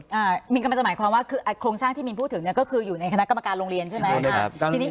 มีนกำลังจะหมายความว่าโครงสร้างที่มีนพูดถึงก็คืออยู่ในคณะกรรมการโรงเรียนใช่ไหม